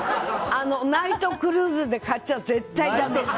ナイトクルーズで買っちゃ絶対だめ！